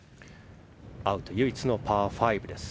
アウト唯一のパー５です。